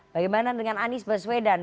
bagaimana dengan anies baswedan